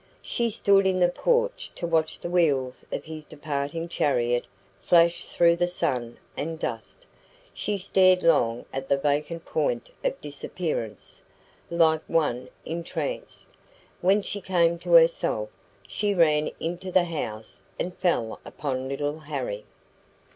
She stood in the porch to watch the wheels of his departing chariot flash through the sun and dust. She stared long at the vacant point of disappearance, like one entranced. When she came to herself, she ran into the house and fell upon little Harry.